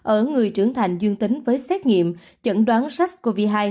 ở người trưởng thành dương tính với xét nghiệm chẩn đoán sars cov hai